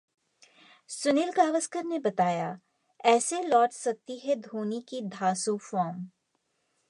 सुनील गावस्कर ने बताया, ऐसे लौट सकती है धोनी की धांसू फॉर्म